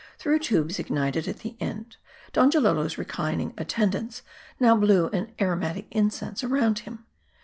Through tubes ignited at the end, Donjalolo's reclining attendants now blew an aromatic incense around him.